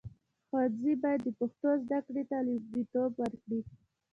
ښوونځي باید د پښتو زده کړې ته لومړیتوب ورکړي.